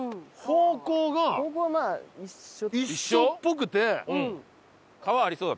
方向が一緒っぽくて。